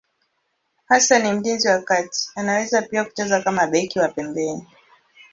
Hasa ni mlinzi wa kati, anaweza pia kucheza kama beki wa pembeni.